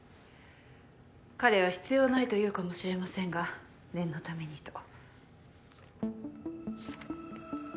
彼は必要ないと言うかもしれませんが念のためにと。